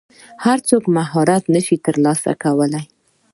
هر څوک مهارت نشي ترلاسه کولی.